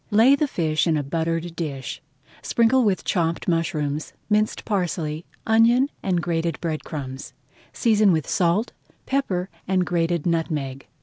Lay the fish in a buttered dish, sprinkle with chopped mushrooms, minced parsley, onion, and grated bread crumbs, season with salt, pepper, and grated nutmeg.